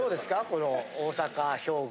この大阪・兵庫。